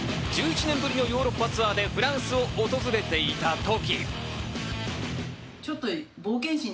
１１年ぶりのヨーロッパツアーでフランスを訪れていた時。